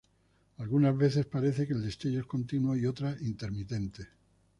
Algunas veces parece que el destello es continuo y, otras, intermitente.